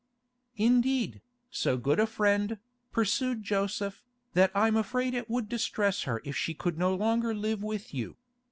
'Indeed, so good a friend,' pursued Joseph, 'that I'm afraid it would distress her if she could no longer live with you.